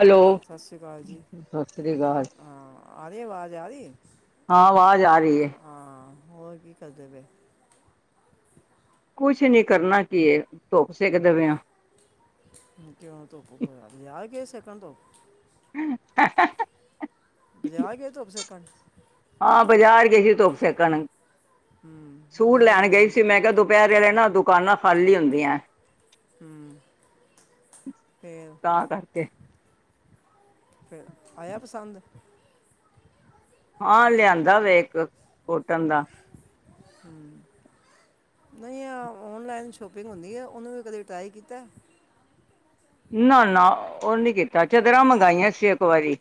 Hello, ਸਤਿ ਸ਼੍ਰੀ ਅਕਾਲ ਜੀ ਸੱਸਰੀ ਕਾਲ। ਹਾਂ ਆ ਰਹੀ ਆਵਾਜ਼ ਆ ਰਹੀ ਹਾਂ, ਅਵਾਜ ਆ ਰੀ ਏ ਹਾਂ, ਹੋਰ ਕੀ ਕਰਦੇ ਪੇ? ਕੁਛ ਨੀ ਕਰਨਾ ਕੀ ਏ, ਧੁੱਪ ਸੇਕ ਦੇ ਪੇ ਆਂ। ਕਿਉਂ ਧੁੱਪ ਪੇਆ [unintelligible] ਸੇਕਣ ਧੁੱਪ? [unintelligible] ਬਜਾਰ ਗੇ, ਧੁੱਪ ਸੇਕਣ? ਹਾਂ, ਬਾਜ਼ਾਰ ਗਈ ਸੀ ਧੁੱਪ ਸੈਕਣ, ਹੂੰ ਸੂਟ ਬਾਜ਼ਾਰ ਲੈਣ ਕੀ ਗਈ ਕੰਮ ਸੀ ਮੈਂ ਕਿਹਾ ਧੁੱਪ। ਦੁਪੈਰੇ, ਵੇਲੇ ਨਾ ਦੁਕਾਨਾਂ ਖਾਲੀ ਹੁੰਦੀਆਂ। ਹੂੰ ਫਿਰ ਤਾਂ ਕਰਕੇ ਫਿਰ ਆਇਆ ਪਸੰਦ? ਹਾਂ, ਲਿਆਂਦਾ ਵੇ ਇੱਕ ਕੋਟਨ ਦਾ। ਹੂੰ ਨਹੀਂ ਆ, ਓਨਲਾਈਨ ਸ਼ੋਪਿੰਗ ਹੁੰਦੀ ਆ, ਉਹਨੂੰ ਵੀ ਕਦੇ ਟਰਾਈ ਕੀਤਾ। ਨਾ ਨਾ ਉਹ ਨਹੀਂ ਕੀਤਾ, ਚਦਰਾਂ ਮੰਗਵਾਈਆਂ ਸੀ, ਇੱਕ ਵਾਰੀ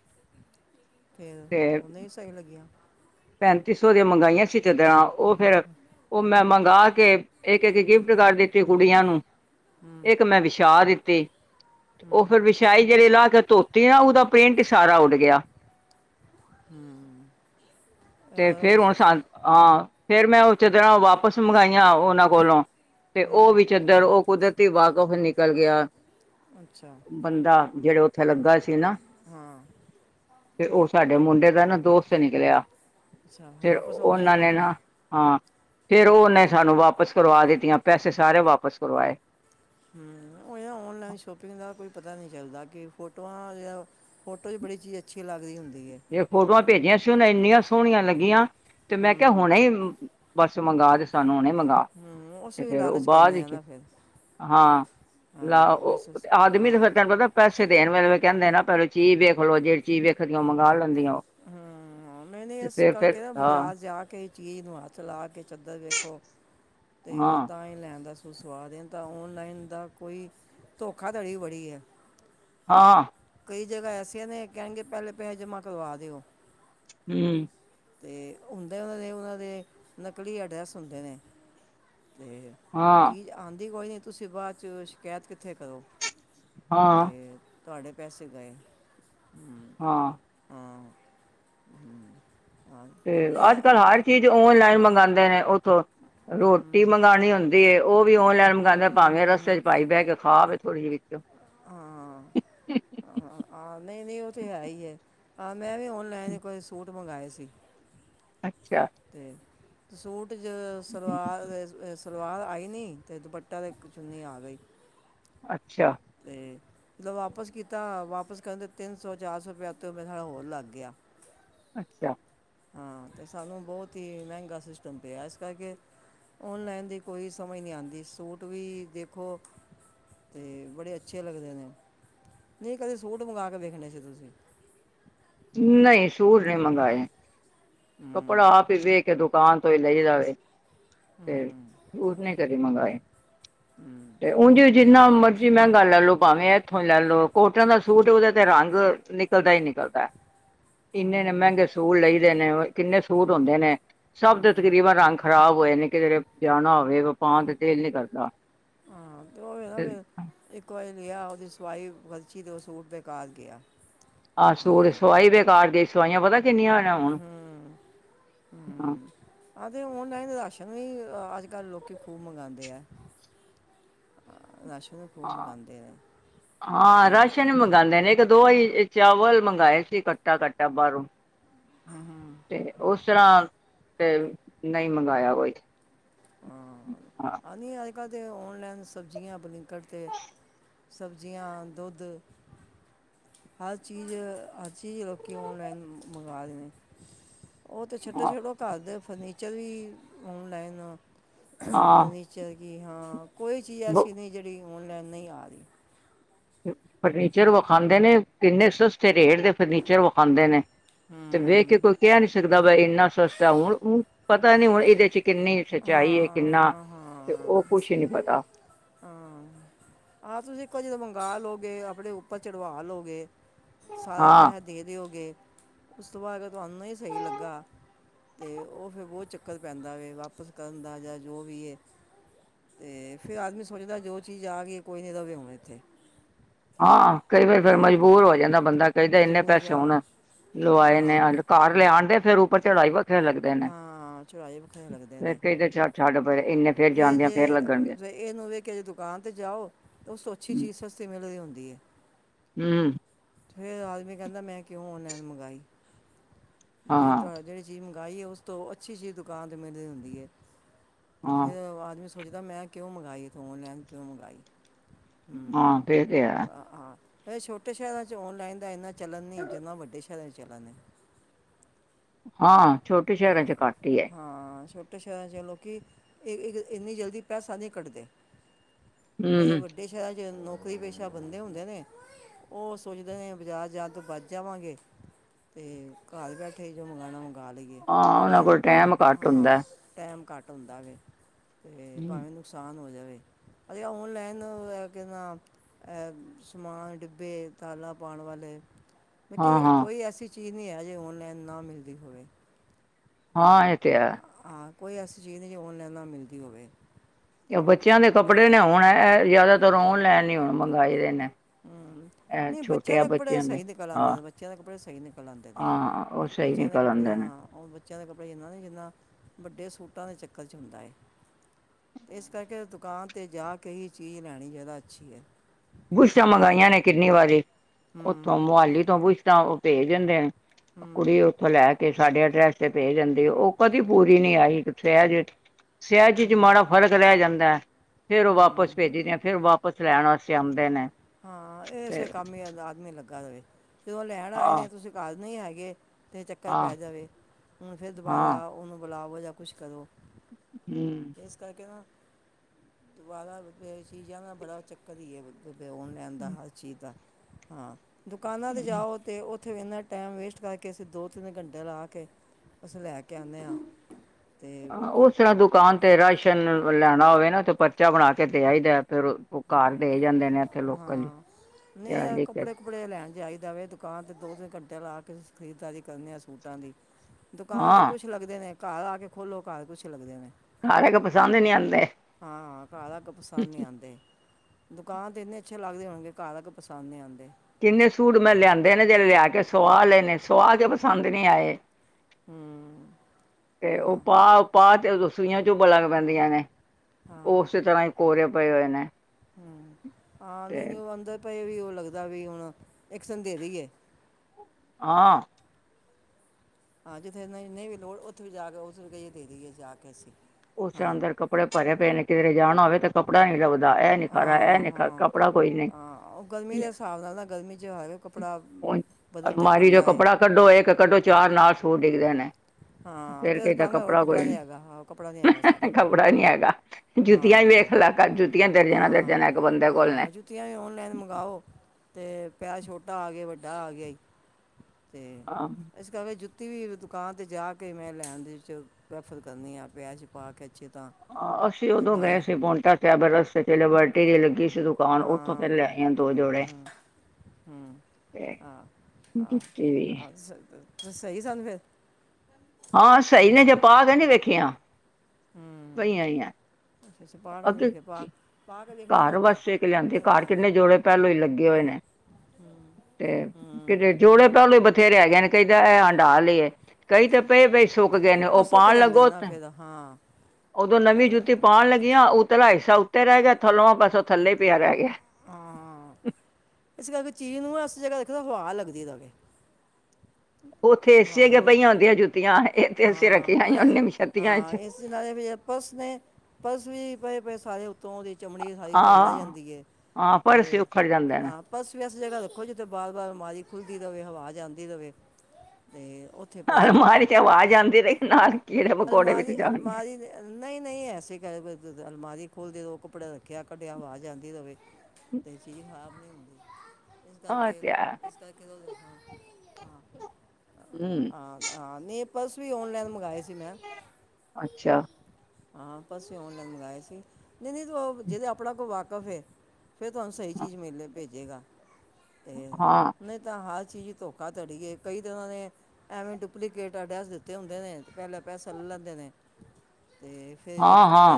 ਫੇਰ, ਤੇ ਉਹ ਨਹੀਂ ਸਹੀ ਲੱਗੀਆਂ। ਪੈਂਤੀ ਸੌ ਦੀਆਂ ਮੰਗਾਈਆਂ ਸੀ, ਚਦਰਾਂ ਉਹ ਫੇਰ। ਉਹ ਮੈਂ ਮੰਗਾ ਕੇ ਇੱਕ, ਇੱਕ ਗਿਫਟ ਕਰ ਦਿੱਤੀ ਕੁੜੀਆਂ ਨੂੰ। ਹੂੰ ਇੱਕ ਮੈਂ ਵਿਛਾ ਦਿੱਤੀ। ਉਹ ਹੂੰ ਫਿਰ ਵਿਛਾਈ ਜਿਹੜੀ ਲਾਹ ਕੇ ਧੋਤੀ ਨਾ, ਉਹਦਾ ਪ੍ਰਿੰਟ ਸਾਰਾ ਉੱਡ ਗਿਆ। ਹੂੰ ਇਹ ਤੇ ਮਤਲਬ ਫੇਰ ਹੁਣ ਹਾਂ, ਫੇਰ, ਮੈਂ ਉਸੇ ਤਰ੍ਹਾਂ ਵਾਪਸ ਮੰਗਵਾਾਈਆਂ ਉਹਨਾਂ ਕੋਲੋਂ। ਤੇ ਉਹ ਹੂੰ ਵਿਚੱਧਰ, ਉਹ ਕੁਦਰਤੀ ਵਾਕਫ ਨਿਕਲ ਗਿਆ। ਅੱਛਾ। ਬੰਦਾ, ਜਿਹੜੇ ਉੱਥੇ ਹੂੰ ਲੱਗਾ ਸੀ ਨਾ। ਹਾਂ। ਤੇ ਉਹ ਸਾਡੇ ਮੁੰਡੇ ਦਾ ਨਾ ਦੋਸਤ ਤੇ ਨਿਕਲਿਆ, ਅੱਛਾ ਫਿਰ ਵਾਪਸ ਹੋ ਗਏ ਆ ਉਹਨਾਂ ਫਿਰ ਨੇ ਨਾ। ਹਾਂ, ਫੇਰ ਉਹ ਉਹਨੇ ਸਾਨੂੰ ਵਾਪਿਸ ਕਰਵਾ ਦਿੱਤੀਆਂ ਪੈਸੇ ਸਾਰੇ ਵਾਪਿਸ ਕਰਵਾਏ। ਹਮ ਉਹ ਇਹ ਔਨਲਾਈਨ ਸ਼ੋਪਿੰਗ ਦਾ ਕੋਈ ਪਤਾ ਨਹੀਂ ਚੱਲਦਾ ਕਿ ਫੋਟੋਆਂ ਜਾਂ। ਫੋਟੋ ਵੀ ਬੜੀ ਚੀਜ਼ ਅੱਛੀ ਲੱਗਦੀ ਹੁੰਦੀ ਹੈ। ਜੇ ਫੋਟੋਆਂ ਭੇਜੀਆਂ ਸੀ ਉਹਨ ਇੰਨੀਆਂ ਸੋਹਣੀਆਂ ਲੱਗੀਆਂ, ਤੇ ਮੈਂ ਕਿਹਾ ਹੂੰ ਹੁਣੇ ਹੀ। ਬਸ ਮੰਗਾ ਜਾ, ਸਾਨੂੰ ਹੁਣੇ ਮੰਗਾ। ਅਸੀਂ ਵੀ ਲਾਲਚ ਕਰਨਦੇ ਆ ਨਾ ਫੇਰ ਹਾਂ, ਲਾ, ਉਸ- ਆਦਮੀ ਤੇ ਹਾਂ ਫੇਰ ਤੁਹਾਨੂੰ ਪਤਾ। ਪੈਸੇ ਦੇਣ ਵੇਲੇ ਕਹਿੰਦੇ ਨਾ ਪਹਿਲ ਚੀਜ਼ ਵੇਖਲੋ, ਜਿਹੜੀ ਚੀਜ਼ ਵੇਖਦੀ ਉਹ ਮੰਗਵਾ ਲੈਂਦੀ ਉਹ ਹੂੰ ਨਹੀਂ ਨਹੀਂ, ਤੇ ਇਸ ਫਿਰ ਫਿਰ ਕਰਕੇ ਨਾ ਹਾਂ ਬਾਜ਼ਾਰ ਜਾ ਕੇ, ਚੀਜ਼ ਨੂੰ ਹੱਥ ਲ ਕੇ ਚਾਦਰ ਵੇਖੋ ਤੇ ਹਾਂ ਤਾਂ ਹੀ ਲੈਣ ਦਾ ਸੂ ਸਵਾ ਦੇ, ਤਾਂ ਔਨਲਾਈਨ ਦਾ ਕੋਈ ਧੋਖਾਧੜੀ ਬੜੀ ਹੈ। ਹਾਂ। ਕਈ ਜਗ੍ਹਾ ਐਸੀਆਂ ਨੇ ਕਹਿਣਗੇ, ਪਹਿਲੇ ਪੈਸੇ ਜਮ੍ਹਾਂ ਕਰਵਾ ਦਿਓ। ਹਮ ਅਤੇ ਹੁੰਦ ਉਹ ਦੇ ਉਹਨਾਂ ਦੇ, ਨਕਲੀ ਐਡਰੈਸ ਹੁੰਦੇ ਨੇ, ਅਤੇ ਹਾਂ। ਤੇ ਆਉਂਦੀ ਕੋਈ ਨਹੀਂ ਤੁਸੀਂ ਬਾਅਦ ਚ ਸ਼ਿਕਾਇਤ ਕਿੱਥੇ ਕਰੋ। ਹਾਂ ਅਤੇ ਤੁਹਾਡੇ ਪੈਸੇ ਗਏ। ਹਮ ਹਾਂ। ਹਾਂ ਤੇ ਮੈਂ ਅੱਜ ਕੱਲ੍ਹ ਹਰ ਚੀਜ਼ ਔਨਲਾਈਨ ਮੰਗਵਾਉਂਦੇ ਨੇ ਉੱਥੋਂ, ਰੋਟੀ ਮੰਗਵਾਉਣੀ ਹੁੰਦੀ। ਤੇ ਉਹ ਵੀ ਔਨਲਾਈਨ ਮੰਗਵਾਉਂਦੇ ਹੂੰ ਭਾਵੇਂ ਰਸਤੇ ਹੂੰ ਵਿਚ ਪਾਈ ਬਹਿ ਕੇ ਖਾਵੇ ਥੋੜ੍ਹੀ ਜਿਹੀ। ਹਾਂ। ਹਹ ਨਹੀਂ ਨਹੀਂ ਉਹ ਤਾਂ ਹੈ ਹੀ ਹੈ, ਮੈਂ ਵੀ ਔਨਲਾਈਨ ਕੋਈ ਸੂਟ ਮੰਗਵਾਏ ਸੀ। ਅੱਛਾ। ਤੇ, ਸੂਟ ਜੇ ਸਲਵਾਰ ਇਸ। ਸਲਵਾਰ ਆਈ ਨਹੀਂ, ਅਤੇ ਦੁਪੱਟਾ ਦੇ ਇੱਕ ਚੁੰਨੀ ਆ ਗਈ। ਅੱਛਾ। ਤੇ। ਜਦੋ ਵਾਪਸ ਕੀਤਾ, ਵਾਪਸ ਕਰਨ ਤਿੰਨ ਸੌ, ਚਾਰ ਸੌ ਰੁਪਇ ਉੱਤੇ ਮੇਰਾ ਹੋਰ ਲੱਗ ਗਿਆ। ਅੱਛਾ। ਹਾਂ, ਤੇ ਸਾਨੂੰ ਬਹੁਤ ਹੀ ਮਹਿੰਗਾ ਸਿਸਟਮ ਪਿਆ ਇਸ ਕਰਕੇ। ਔਨਲਾਈਨ ਦੀ ਕੋਈ ਸਮਝ ਨਹੀਂ ਆਉਂਦੀ ਸੂਟ ਵੀ ਦੇਖੋ। ਤੇ ਬੜੇ ਅੱਛੇ ਲੱਗਦੇ ਨੇ ਨਹੀਂ ਕਦੇ ਸੂਟ ਮੰਗਵਾ ਕੇ ਵੇਖਣੇ ਸੀ ਤੁਸੀਂ। ਨਹੀਂ ਸੂਰ ਨੇ ਮੰਗਾਏ। ਹੂੰ ਕੱਪੜਾ ਆਪ ਹੀ ਵੇਖ ਕੇ ਦੁਕਾਨ ਤੋਂ ਹੀ ਲਈਦਾਵ ਤੇ, ਹੂੰ। ਸੂਟ ਕਦੇ ਮੰਗਵਾਏ, ਤੇ ਉਝ ਉ ਜਿੰਨਾ ਮਰਜ਼ੀ ਮਹਿੰਗਾ ਲੈ ਲਓ, ਭਾਵੇਂ ਇੱਥੋਂ ਹੀ ਲੈ ਲਓ, ਕੋਟਨ ਦਾ ਸੂਟ ਉਹਦੇ ਤੇ ਰੰਗ ਨਿਕਲਦਾ ਹੀ ਨਿਕਲਦਾ, ਇੰਨੇ ਇੰਨੇ ਮਹਿੰਗੇ ਸੂਟ ਲਈ ਦੇ ਨੇ ਕਿੰਨੇ ਸੂਟ ਹੁੰਦੇ ਨੇ। ਸਭ ਦੇ ਤਕਰੀਬਨ ਰੰਗ ਖ਼ਰਾਬ ਹੋਏ ਨੇ, ਕਿ ਜਾਣਾ ਹੋਵੇ ਪਾਨ ਤੇ ਦਿਲ ਨਹੀਂ ਕਰਦਾ। ਹਾਂ ਤੇ ਉਹ ਨਾ ਫੇਰ, ਇੱਕ ਵਾਰੀ ਲਿਆ ਉਹਦੀ ਸਵਾਈ ਕਰਚੀ ਤੇ ਉਹ ਸੂਟ ਬੇਕਾਰ ਗਿਆ। ਆ, ਸੂਟ ਹਾਂ ਸਵਾਈ ਬੇਕਾਰ ਗਈ, ਸੂਤ ਦੀ ਸਵਾਈਆਂ ਪਤਾ ਕਿੰਨੀਆਂ! ਨੇ ਹੁਣ ਹੂੰ-ਹੂੰ। ਹਾਂ ਤੇ ਔਨਲਾਈਨ ਰਾਸ਼ਨ ਵੀ ਅਜ-ਕਲ ਲੋਕੀ ਖੂਬ ਮੰਗਾਂਦੇ ਐ। ਰਾਸ਼ਨ ਖੂਬ ਮੰਗਾਉਂਦੇ ਨੇ ਹਾਂ, ਕਿ ਰਾਸ਼ਨ ਹਾਂ ਵੀ ਮੰਗਾਂਦੇ ਨੇ ਇੱਕ ਦੋ ਵਾਈ ਚਾਵਲ ਮੰਗਾਏ ਸੀ ਕੱਟਾ-ਕੱਟਾ ਬਾਰੋਂ। ਹੰ-ਹੰ। ਤੇ ਉਸ ਤਰ੍ਹਾਂ ਤੇ ਨਈ ਮੰਗਾਆ ਕੋਈ। ਹਾਂ, ਆ ਨਈ ਅੱਜ-ਕੱਲ ਤੇ ਔਨਲਾਈਨ ਸਬਜ਼ੀਆਂ ਬਲਿੰਕਟ 'ਤੇ ਸਬਜ਼ੀਆਂ, ਦੁੱਧ। ਹਰ ਚੀਜ਼-ਹਰ ਚੀਜ਼ ਲੋਕੀ ਔਨਲਾਈਨ ਮੰਗਾ ਰੇ ਨੇ। ਓ ਤੇ ਹਾਂ ਛੱਡੋ-ਛੋਡੋ ਘਰ ਦੇ ਫਰਨੀਚਰ ਵੀ ਔਨਲਾਈਨ ਹਾਂ ਫਰਨੀਚਰ ਕਿ, ਹਾਂ ਕੋਈ ਚੀਜ਼ ਐਸੀ ਨੀ ਜੇੜੀ ਔਨਲਾਈਨ ਨਈਂ ਆ ਰਈ। ਫਰਨੀਚਰ ਵਖਾਂਦੇ ਨੇ ਕਿੰਨੇ ਸਸਤੇ ਰੇਟ ਦੇ ਫਰਨੀਚਰ ਵਖਾਂਦੇ ਨੇ। ਤੇ ਵੇਖ ਕੇ ਹੂੰ ਕੋਈ ਕੈ ਨੀ ਸਕਦਾ ਬ ਇੰਨਾ ਸਸਤਾ ਹੁਣ ਪਤਾ ਨੀ ਹੁਣ ਇਦੇ ਚ ਕਿੰਨੀ ਸੱਚਾਈ ਏ ਹਾਂ ਕਿੰਨਾ ਹਾਂ ਤੇ ਓ ਕੁਛ ਨੀ ਪਤਾ। ਅੰ। ਆਹ ਤੁਸੀਂ ਇੱਕੋ ਜਦੋਂ ਮੰਗਾ ਲੌਗੇ, ਆਪਣੇ ਉੱਪਰ ਚੜਵਾ ਲੋਗੇ, ਸਾਰਾ ਹਾਂ ਪੈਹਾ ਦੇ ਦਿਓਗੇ, ਉਸ ਤੋਂ ਬਾਦ ਅਗਰ ਤੁਆਨੂੰ ਨਈਂ ਸਈ ਲੱਗਾ ਤੇ ਓ ਫਿਰ ਬਬੌਤ ਚੱਕਰ ਪੈਂਦਾ ਵੇ ਵਾਪਸ ਕਰਨ ਦਾ ਯਾ ਜਾਂ ਜੋ ਵੀ ਏ। ਤੇ ਫੇਰ ਆਦਮੀ ਸੋਚਦੈ ਜੋ ਚੀਜ਼ ਆ ਗਈ ਕੋਈ ਨੀ ਰਵੇ ਹੁਣ ਇੱਥੇ। ਹਾਂ, ਕਈ ਵਾਰੀ ਫੇਰ ਹਾਂ ਮਜਬੂਰ ਹੋ ਜਾਂਦਾ ਬੰਦਾ, ਕਈਦੈ ਇੰਨੇ ਮਜਬੂਰ ਪੈਸੇ ਜਾ ਹੁਣ ਲਵਾਏ ਨੇ ਹਾਂ ਅਲ ਘਰ ਲਿਆਣ ਦੇ ਫਿਰ ਉੱਪਰ ਚੜਾਈ ਵਖ ਰੇ ਲੱਗਦੇ ਨੇ। ਹਾਂ ਚੁਰਾਏ ਵੱਖਰੇ ਲੱਗਦੇ ਫੇਰ ਨੇ ਕਈ ਦੈ ਛੱਡ ਪਰੇ ਇੰਨੇ ਫੇਰ ਜਾਂਦੀਆਂ ਫੇਰ ਲੱਗਣਗੇ। ਏ ਨੂੰ ਵੇਖ ਕੇ ਜੇ ਦੁਕਾਨ 'ਤੇ ਜਾਓ ਉੱਸ ਤੋਂ ਅੱਛੀ ਚੀਜ਼ ਸਸਤੀ ਮਿਲ ਰੀ ਹੁੰਦੀ ਏ। ਹੂੰ। ਫਿਰ ਆਦਮੀ ਕੈਂਦਾ ਮੈਂ ਕਿਉਂ ਔਨਲਾਈਨ ਮੰਗਾਈ। ਜੇੜੀ ਹਾਂ ਤੁਆ -ਜੇੜੀ ਚੀਜ਼ ਮੰਗਾਈ ਏ ਉਸ ਤੋਂ ਅੱਛੀ ਚੀਜ਼ ਦੁਕਾਨ 'ਤੇ ਮਿਲਦੀ ਹੁੰਦੀ ਏ। ਤੇ ਹਾਂ ਫਿਰ ਆਦਮੀ ਸੋਚਦੈ ਮੈਂ ਕਿਉਂ ਮੰਗਵਾਈ ਐੱਥੋ ਔਨਲਾਈਨ ਕਿਉਂ ਮੰਗਵਾਈ। ਹੂੰ, ਹਾਂ ਫੇਰ ਤੇ ਹੈ ਆ ਹਾ। ਇਹ ਛੋਟੇ ਸ਼ਹਿਰਾਂ 'ਚ ਔਨਲਾਈਨ ਤਾਂ ਇੰਨਾ ਚਲਨ ਨੀਂ ਜਿੰਨਾਂ ਵੱਡੇ ਸ਼ਹਿਰਾਂ 'ਚ ਚਲਨ ਏ। ਹਾਂ ਛੋਟੇ ਸ਼ਹਿਰਾਂ ਚ ਘੱਟ ਈ ਏ। ਟੇ ਸ਼ੈਰਾਂ ਚ ਲੋਕੀ ਇੱਕ ਇੰਨੀ ਜਲਦੀ ਪੈਸਾ ਨੀਂ ਕੱਢਦੇ ਹਮ ਤੇ ਵੱਡ ਡੇ ਸ਼ਹਿਰਾਂ 'ਚ ਨੌਕਰੀ-ਪੇਸ਼ਾ ਬੰਦੇ ਹੁੰਦੇ ਨੇ ਓ ਸੋਚਦੇ ਨੇ ਬਾਜਾਰ ਜਾਨ ਤੋਂ ਬਚ ਜਾਵਾਂਗੇ ਤੇ ਘਰ ਬੈਠੇ ਜੋ ਮੰਗਵਾਣਾ ਮੰਗਾ ਲਈਏ ਹਾਂ ਉਹਨਾਂ ਪਰ ਕੋਲ ਪਰ ਟੈਮ ਘੱਟ ਹਾਂ ਹੁੰਦਾ ਟੈਮ ਘੱਟ ਹੁੰਦਾ ਵੇ ਤੇ ਭਾਵੇਂ ਨੁਕਸਾਨ ਹੋ ਜਾਵੇ। ਅਜੇ ਓਨਲਾਈਨ ਲੈ ਕੇ ਨਾ ਐ ਸਮਾਨ ਡਿੱਬੇ ਦਾਲਾਂ ਪਾਣ ਵਾਲੇ ਹਾਂ ਇੱਥੇ ਹਾਂ ਕੋਈ ਐਸੀ ਚੀਜ਼ ਨੀ ਐ ਜੋ ਔਨਲਾਈਨ ਨਾ ਮਿਲਦੀ ਹੋਵੇ। ਹਾਂ ਏ ਤੇ ਹੈ। ਹਾਂ ਕੋਈ ਐਸੀ ਚੀਜ਼ ਨੀਂ ਜੇ ਔਨਲਾਈਨ ਨਾ ਮਿਲਦੀ ਹੋਵੇ। ਬੱਚਿਆਂ ਦੇ ਕੱਪੜੇ ਨੇ ਹੁਣ ਐ ਜ਼ਿਆਦਾਤਰ ਓਨਲਾਈਨ ਇ ਮੰਗਵਾਈ ਦੇ ਨੇ। ਇਹ ਨਈ ਬੱਚਿਆਂ ਛੋਟੇ ਆ ਦੇ ਕਪੜੇ ਸਈ ਨਿਕਲ ਆਂਦੇ ਹਾਂ ਨੇ, ਬੱਚਿਆਂ ਦੇ ਕੱਪੜੇ ਸਹੀ ਨਿਕਲ ਆਉਦੇ ਨੇ। ਹਾਂ ਉਹ ਸਹੀ ਬੱਚਿਆਂ ਦੇ ਨਿਕਲ ਕੱਪੜੇ ਆਉਂਦੇ ਨੇ ਹਾਂ, ਓ ਬੱਚ ਬੱਚਿਆਂ ਦੇ ਕੱਪੜੇ ਏਨਾ ਨੀ ਜਿੰਨਾ ਵੱਡੇ ਸੂਟਾਂ ਦੇ ਚੱਕਰ ਚ ਹੁੰਦਾ ਏ। ਇਸ ਕਰਕੇ ਦੁਕਾਨ ਤੇ ਜਾ ਕੇ ਹੀ ਚੀਜ਼ ਲੈਣੀ ਜ਼ਾਦਾ ਅੱਛੀ ਐ। ਬੁਸ਼ਟਾ ਮੰਗਾਈਆਂ ਨੇ ਕਿੰਨੀ ਵਾਰੀ, ਹੂੰ ਓਥੋਂ ਮੋਆਲੀ ਤੋਂ ਬੂਸ਼ਟਾ ਓ ਪੇਜ ਦਿਂਦੇ ਨੇ ਹੂੰ ਕੁੜੀ ਓ ਓਥੋ ਲੈ ਕੇ ਸਾਡੇ ਐਡਰੈਸ ਤੇ ਪੇਜ ਦਿਂਦੀ ਏ ਓ ਕਦੀ ਪੂਰੀ ਨੀ ਆਈ ਇੱਕ ਸੈਜ ਸੈਜ ਚ ਮਾੜਾ ਫ਼ਰਕ ਰੈ ਜਾਂਦਾ ਫੇਰ ਓ ਵਾਪਸ ਹੂੰ ਪੇਜਦੀ ਆ ਫੇਰ ਵਾਪਸ ਲੈਣ ਆਸ ਚਾਉਂਦੇ ਨੇ ਹਾਂ ਤੇ ਇਸੇ ਕੰਮ ਈ ਏਦਾਂ ਆਦਮੀ ਲੱਗਾ ਰਵੇ ਤੇ ਓ ਲੈਣ ਆਏ ਹਾਂ ਨੇ ਤੁਸੀਂ ਕੱਰ ਨੀ ਹੈਗੇ। ਤੇ ਚੱਕਰ ਹਾਂ ਪੈ ਜਾਵੇ ਹੁਣ ਫੇਰ ਹਾਂ ਦੋਬਾਰਾ ਓਨੂੰ ਬੁਲਾਵੋ ਯਾਂ ਕੁਛ ਕਰੋ। ਹੂੰ। ਇਸ ਕਰਕੇ ਨਾ ਦੋਬਾਰਾ ਫੇਰ ਚੀਜ਼ਾਂ ਦਾ ਬੜਾ ਚੱਕਰ ਈ ਏ। ਤੇ ਓਨਲੈਣ ਦਾ ਹਰ ਚੀਜ਼ ਦਾ ਹਾਂ ਦੁਕਾਨਾਂ ਤੇ ਜਾਓ ਤੇ ਓੱਥੇ ਵੀ ਇੰਨਾ ਟਾਈਮ ਵੇਸਟ ਕਰਕੇ ਅਸੀਂ ਦੋ-ਤਿੰਨ ਕੰਟੇ ਲਾ ਕੇ ਅਸੀਂ ਲੈ ਕੇ ਆਨੇ ਆ ਉਸ ਤਰਾ ਦੁਕਾਨ ਤੇ ਰਾਸ਼ਨ ਲੈਣਾ ਹੋਵੇ ਨਾ ਤੇ ਪਰਚਾ ਬਣਾ ਕੇ ਦੇ ਆਇਦਾ ਫੇਰ ਓ ਘਰ ਦੇ ਜਾਂਦੇ ਨੇ ਐੱਥੇ ਲੋਕਲ ਈ ਹਾਂ ਨੇ [unintelligible] ਕੱਪੜੇ ਲੈਣ ਜਾਈਦਾ ਵੇ ਦੁਕਾਨ ਤੇ ਦੋ-ਤਿੰਨ ਕੰਟੇ ਲਾ ਕੇ ਖਰੀਦਦਾਰੀ ਕਰਨੇ ਆ ਸੂਟਾਂ ਦੀ ਦੁਕਾਨ ਤੇ ਹਾਂ ਕੁੱਛ ਲੱਗਦੇ ਨੇ ਕੱਰ ਆ ਕੇ ਖੋਲੋ ਕਾਰ ਕੁਛ ਲੱਗਦੇ ਨੇ ਕਾਰ ਆਕੇ ਪਸੰਦ ਨੀ ਆਂਦੇ। ਹਾ ਕਾਰ ਅਕੇ ਪਸੰਦ ਨੀ ਆਂਦੇ। ਦੁਕਾਨ ਤੇ ਇੰਨੇ ਅੱਛੇ ਲੱਗਦੇ ਹੋਣਗੇ ਕਾਰ ਆਕੇ ਪਸੰਦ ਨੀ ਆਂਦੇ। ਕਿੰਨੇ ਸੂਟ ਮੈਂ ਲਿਆਂਦੇ ਨੇ ਜੇੜੇ ਲਯਾ ਕੇ ਸੁਆਵ ਲੈਣੇ ਸੁਆਵ ਕੇ ਪਸੰਦ ਨੀ ਆਏ। ਹੂੰ ਤੇ ਓ ਹਾਂ ਪਾ-ਪਾ ਕੇ ਸੁਈਆ ਚੁੱਬ ਲੱਗ ਪੈਂਦੀਆਂ ਨੇ ਓ ਓਸੇ ਤਰ੍ਹਾਂ ਈ ਕੋਰੇ ਪਏ ਹੋਏ ਨੇ ਹੂੰ ਹਾਂ ਤੇ ਨਈ-ਨਈ ਓ ਅੰਦਰ ਪਏ ਵੀ ਓ ਲੱਗਦਾ ਵੀ ਹੁਣ ਕਿਸੇ ਨੂੰ ਦੇਦੀ ਏ ਹਾਂ। ਹਾਂ ਜਿੱਥੇ ਨਈ ਵੀ ਲੋੜ ਓਥੇ ਵੀ ਜਾ ਕੇ ਉਸਨੂੰ ਕਹੀਏ ਦੇ ਦੇਈਏ ਜਾ ਕੇ ਅਸੀਂ ਉਸਰਾ ਹਾਂ ਅੰਦਰ ਕੱਪੜੇ ਭਰੇ ਪਏ ਨੇ ਕਿਧਰੇ ਜਾਣਾ ਹੋਵੇ ਤੇ ਕੱਪੜਾ ਨੀ ਲਭਦਾ ਐ ਨੀ ਖਰਾ ਐ ਹਾਂ ਨੀ ਹਾਂ ਹਾਂ ਕੱਪੜਾ ਕੋਈ ਨੀ ਹਾਂ ਓ ਗਰਮੀ ਦੇ ਸਾਬ ਨਾਲ ਨਾ ਗਰਮੀ ਚ ਹਰ ਕੋਈ ਕੱਪੜਾ ਬਧਨ ਤੇ ਅਲਮਾਰੀ ਚੋਂ ਖਾਂਦਾ ਏ। ਕੱਪੜਾ ਕੱਢੋ ਇੱਕ ਕੱਢੋ ਚਾਰ ਨਾਲ ਸੂਟ ਡਿੱਗਦੇ ਨੇ ਹਾਂ ਫੇਰ ਤੇ ਅਸੀਂ ਕਇਦਾ ਕਹਾਂਗੇ ਉਹ ਕੱਪੜਾ ਕੋਈ ਨਹੀਂ ਨੀ ਹੈਗਾ ਹਾਂ ਉਹ ਕੱਪੜਾ ਨਹੀਂ ਹੈਗਾ ਸਾਡੇ ਕੋਲ ਕੱਪੜਾ ਨੀ ਹੈਗਾ ਜੁੱਤੀਆਂ ਹਾਂ ਵੇਖ ਲੈ ਕਰ ਜੁੱਤੀਆਂ ਦਰਜਨਾਂ- ਦਰਜਨਾਂ ਇੱਕ ਬੰਦੇ ਕੋਲ ਨੇ। ਜੁਤੀਆਂ ਵੀ ਔਨਲਾਈਨ ਮੰਗਾਓ ਤੇ ਪੈਰ ਛੋਟਾ ਆ ਗਿਆ ਈ ਵੱਡਾ ਆ ਗਿਆ ਈ। ਤੇ ਹਾਂ ਇਸ ਕਰਕੇ ਜੁੱਤੀ ਵੀ ਦੁਕਾਨ ਤੇ ਜਾ ਕੇ ਮੈਂ ਲੈਣ ਦੇ ਵਿੱਚ ਪ੍ਰੈਫਰ ਕਰਨੀ ਆ ਪੈਰ ਚ ਪਾਕੇ ਅੱਛੇ ਤਾ ਆਹ ਅਸੀਂ ਓਦੋਂ ਗਏ ਸੀ ਪੋਂਟਾ ਸੈਬ ਰਸਤੇ ਚ ਲਬਰਟੀ ਜੀ ਲੱਗੀ ਸੀ ਰੁ ਦੁਕਾਨ ਓਥੋਂ ਹਾਂ ਫੇਰ ਲੈ ਆਈ ਆ ਦੋ ਜੋੜੇ। ਹੂੰ ਹੂੰ ਤੇ ਜੁੱਤੀ ਵੀ। ਸਰ ਦਰਦ ਸਈ ਸਨ ਫੇਰ ਹਾਂ ਸਈ ਨੇ ਹਜੇ ਪਾਕੇ ਨੀ ਵੇਖਿਆ। ਹੂੰ ਸਈ ਆਇਆ ਅੱਛਾ ਅੱਛਾ ਪਾ ਕੇ ਨਹੀਂ ਵੇਖੇ ਪਾ ਬਾਕੀ, ਪਾ ਕੇ ਵੇਖਣੇ ਕਾਰ ਸਨ ਨਾ ਵਾਸਤੇ ਏਕ ਲਿਆਂਦੀ ਕਿਹੋ ਕਾਰ ਜਿਹਾ ਨੇ ਕਿੰਨੇ ਜੋੜੇ ਪੈਲੋਂ ਈ ਲੱਗੇ ਹੋਏ ਨੇ ਤੇ ਹੂੰ ਕਿਤੇ ਜੋੜੇ ਹੂੰ ਓਲੇ ਬਥੇਰੇ ਹੈਗੇ ਨੇ ਤੇ ਜਾਂ ਐ ਹਂਡਾ ਲਈਏ ਕਈ ਤੇ ਪਏ-ਪਏ ਸੁੱਕ ਗਏ ਨੇ ਉਹ ਓ ਸੁੱਕ ਪਾਣ ਜਾਂਦੇ ਲੱਗੋ ਨਾ ਤੇ ਫਿਰ ਹਾਂ। ਉਦੋਂ ਨਵੀਂ ਜੁੱਤੀ ਪਾਣ ਲੱਗੀਆਂ, ਉਤਲਾ ਹਿੱਸਾ ਉੱਤੇ ਰਹਿ ਗਿਆ ਥੱਲਡਾ ਪਾਸੋਂ ਥੱਲੇ ਪਿਆ ਰਹਿ ਗਿਆ ਹਾਂ। ਇਸ ਕਰਕੇ ਚੀਜ਼ ਨੂੰ ਏਸ ਜ੍ਗਾ ਰਖੋ ਹਵਾ ਲੱਗਦੀ ਰਵੇ। ਉੱਥੇ, ਏ ਹਵਾ ਸੀ ਦੇ ਪਈਆਂ ਹੁਂਬਝਦੀਆਂ ਜੁੱਤੀਆਂ ਇਹਥੇ ਅਸੀਂ ਰੱਖੀਆਂ ਸੀ ਨਿਮਛਤੀਆਂ ਚ ਜਿਹਨਾਂ ਨੇ ਵੀ ਪਰਸ ਨੇ ਪਰਸ ਵੀ ਪਏ, ਪਏ ਸਾਰੇ ਉੱਤੋਂ ਉਤੋਂ ਦੀ ਚਮੜੀ ਸਾਰੀ ਉਤੋਂ ਲਹ ਹਾਂ ਜਾਂਦੀ ਏ। ਹਾਂ ਪਰਸ ਤੇ ਉਖੜ ਜਾਂਦੇ ਨੇ ਆਪ ਪਰਸ ਵੀ ਐਸੀ ਜਗ੍ਹਾ ਰੱਖੋ, ਜਿੱਥੇ ਬਾਰ ਬਾਰ ਅਲਮਾਰੀ ਖੁੱਲਦੀ ਰਹੇ ਹਵਾ ਜਾਂਦੀ ਰਹੇ। ਤੇ ਉ ਨਾਲ, ਅਲਮਾਰੀ ਚ ਹਵਾ ਜਾਦੀ ਰਹੇ ਨਾਲ ਕੀੜੇ-ਪਕੌੜੇ ਵਿੱਚ ਜਾਣਦੇ ਆ। ਨਹੀਂ-ਨਹੀਂ ਐਸੇ [unintelligible] ਗ ਅਲਮਾਰੀ ਖੋਲਦੇ ਰਹੋ ਕੱਪੜਾ ਰੱਖਿਆ, ਕੱਢਿਆ ਆਵਾਜ਼ ਆਉਂਦੀ ਰਹੇ। ਤੇ ਚੀਜ਼ ਖਰਾਬ ਨਹੀ ਹੁੰਦੀ। ਇਸ ਆਹ ਕਰਕੇ, ਤੇ ਹੈ ਇਸ ਕਰਕੇ ਹਾਂ-ਹਾਂ। ਹੂੰ। ਹਾਂ-ਹਾਂ, ਨਹੀਂ ਪਰਸ ਵੀ ਔਨਲਾਈਨ ਮੰਗਿਏ ਸੀ ਮੈਂ। ਅੱਛਾ। ਹਾਂ ਪਰਸ ਵੀ ਓਨਲਾਈਨ ਮੰਗਾਏ ਸੀ ਨਹੀਂ ਜਿਹਦੇ ਆਪਣਾ ਕੋਲ ਵਾਕਫ ਐ। ਫਿਰ ਤੁਹਾਨੂੰ ਸਹੀ ਚੀਜ਼ ਮਿਲ ਭੇਜੇਗਾ ਤੇ ਹਾਂ ਨਹੀਂ ਤਾਂ ਹਰ ਚੀਜ਼ ਧੋਖਧੜੀ ਏ, ਕਈ ਤਰਨਾਂ ਨੇ ਐਵੇਂ ਡੁਪਲੀਕੇਟ ਐਡਰੈਸ ਦਿੱਤੇ ਹੁੰਦੇ ਨੇ। ਪਹਿਲਾਂ ਪੈਸਾ ਲ ਲੈਂਦੇ ਨੇ। ਤੇ ਫਿਰ ਹਾਂ ਚੀਜ਼ ਹਾਂ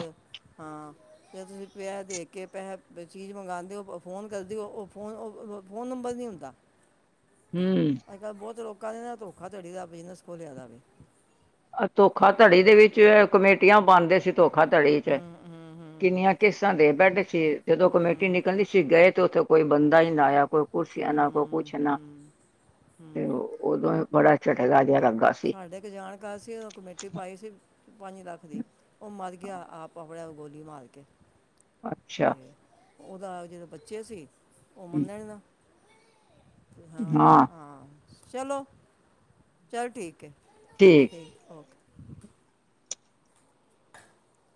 ਹਾਂ ਜ ਤੁਸੀਂ ਪੈਸ ਦੇ ਕੇ ਪੈਸੇ ਚੀਜ਼ ਮੰਗਵਾਉਦੇ ਹੋ। ਫੋਨ ਕਰਦੇਓ ਉਹ ਫੋਨ ਫੋਨ ਨੰਬਰ ਨਹੀਂ ਹੁੰਦਾ। ਹੂੰ। ਅੱਜ-ਕੱਲ੍ਹ ਬਹੁਤ ਲੋਕਾਂ ਨੇ ਨਾ ਧੋਖਾਤੜੀ ਦਾ ਬਿਜ਼ਨਸ ਖੋਲ੍ਹਿਆ ਦਾ ਵੇ। ਧੋਖਾਤੜੀ ਦੇ ਵਿੱਚ ਕਮੇਟੀਆਂ ਪਾਂਦੇ ਸੀ। ਧੋਖਾਤੜੀ ਚ ਹੂੰ ਹੂੰ ਹੂੰ ਕਿੰਨੀਆਂ ਕਿਸਤਾਂ ਦੇ ਬੈਠੇ ਸੀ। ਜਦੋਂ ਕਮੇਟੀ ਹੂੰ ਨਿਕਲਦੀ ਸੀ ਗਏ, ਤੇ ਉੱਥੇ ਕੋਈ ਬੰਦਾ ਹੀ ਨਾ ਆਇਆ ਕੋਈ ਹੂੰ ਕੁਰਸੀਆਂ ਨਾ ਕੋਈ ਹੂੰ ਪੁੱਛਨਾ, ਹੂੰ ਤੇ ਹੂੰ ਉਦੋਂ ਬੜਾ ਝਟਕਾ ਜਿਹਾ ਲਗਾ ਸ। ਸਾਡਾ ਇਕ ਜਾਣਕਾਰ ਸੀ, ਉ ਕਮੇਟੀ ਪਾਈ ਸੀ। ਪੰਜ ਲੱਖ ਦੀ ਉਹ ਮਰ ਗਿਆ, ਆਪ ਆਪਣੇ ਗੋਲੀ ਮਾਰ ਕੇ ਅੱਛਾ ਤੇ, ਉਹਦਾ ਜਿਹੜੇ ਬੱਚੇ ਸੀ ਉਹ ਮੰਨਣ ਹੀ ਨਾ। ਹਾਂ ਹਾਂ-ਹਾਂ ਚਲੋ, ਚੱਲ ਠੀਕ ਏ। ਠੀਕ। ਠੀਕ ਓਕੇ। [unintelligible]